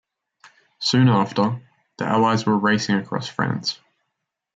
Soon after, the Allies were racing across France.